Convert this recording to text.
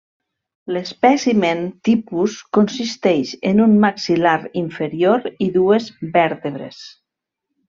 L'espècimen tipus consisteix en un maxil·lar inferior i dues vèrtebres.